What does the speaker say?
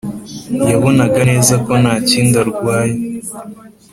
yabonaga neza ko nta kindi arwaye.